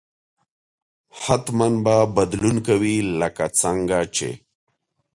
حتما به بدلون کوي لکه څنګه چې